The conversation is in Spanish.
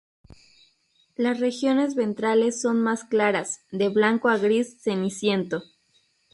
Las regiones ventrales son más claras, de blanco a gris ceniciento.